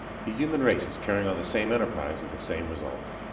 The human race is carrying on the same enterprise with the same results.